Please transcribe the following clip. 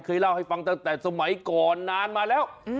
เล่าให้ฟังตั้งแต่สมัยก่อนนานมาแล้ว